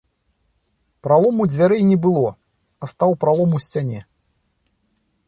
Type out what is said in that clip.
Пралому дзвярэй не было, а стаў пралом у сцяне.